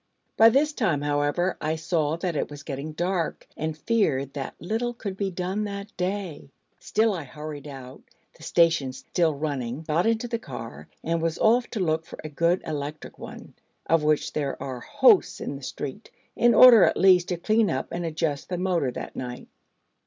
By this time, however, I saw that it was getting dark, and feared that little could be done that day; still, I hurried out, the station still running, got into the car, and was off to look for a good electric one, of which there are hosts in the streets, in order at least to clean up and adjust the motor that night.